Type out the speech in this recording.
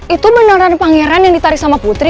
itu menurut pangeran yang ditarik sama putri